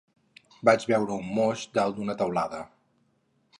Vaig veure un moix dalt d'una teulada